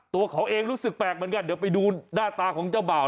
ตัวเขาเองรู้สึกแปลกเหมือนกันเดี๋ยวไปดูหน้าตาของเจ้าบ่าว